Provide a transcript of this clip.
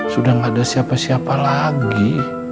sudah tidak ada siapa siapa lagi